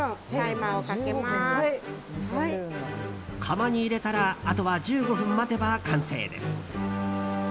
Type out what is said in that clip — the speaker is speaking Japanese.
釜に入れたらあとは１５分待てば完成です。